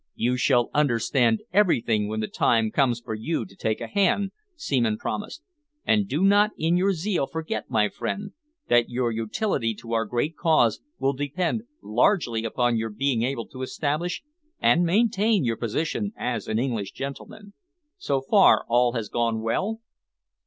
"You shall understand everything when the time comes for you to take a hand," Seaman promised, "and do not in your zeal forget, my friend, that your utility to our great cause will depend largely upon your being able to establish and maintain your position as an English gentleman. So far all has gone well?"